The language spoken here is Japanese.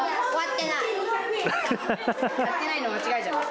やってないの間違いじゃない？